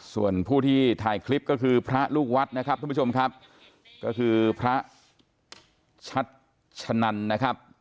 ส่วนผู้ที่ถ่ายคลิปก็คือพระลูกวัดนะครับทุกผู้ชมครับก็คือพระชัดชะนันนะครับ